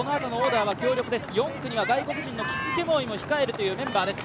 ４区に外国人のキプケモイも控えるというメンバーです。